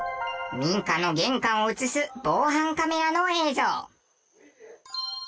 民家の玄関を映す防犯カメラの映像。